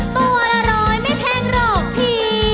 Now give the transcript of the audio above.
ตัวละร้อยไม่แพงหรอกพี่